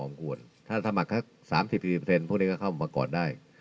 อ๋อมกวนถ้าสมัครครับสามสิบสี่เปอร์เซ็นต์พวกนี้ก็เข้ามาก่อนได้